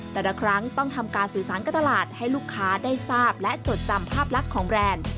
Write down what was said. แต่ละครั้งต้องทำการสื่อสารกับตลาดให้ลูกค้าได้ทราบและจดจำภาพลักษณ์ของแบรนด์